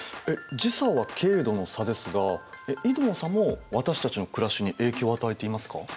えっ時差は経度の差ですが緯度の差も私たちの暮らしに影響を与えていますか？